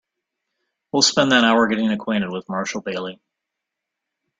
You will spend that hour getting acquainted with Marshall Bailey.